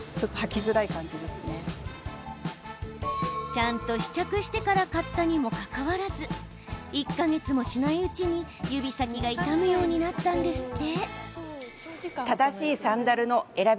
ちゃんと試着してから買ったにもかかわらず１か月もしないうちに指先が痛むようになったんですって。